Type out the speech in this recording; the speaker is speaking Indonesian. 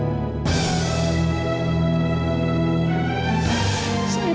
walaupun saya ini bukan orang kelakar